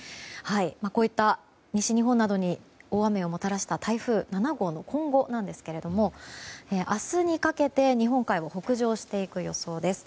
こういった西日本などに大雨をもたらした台風７号の今後なんですけども明日にかけて日本海を北上していく予想です。